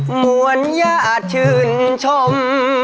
หมวนญาติชื่นชม